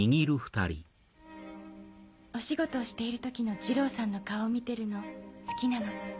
お仕事をしている時の二郎さんの顔を見てるの好きなの。